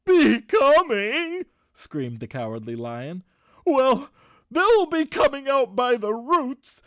"Becoming!" screamed the Cowardly Lion. "Well, they'll be coming out by the roots.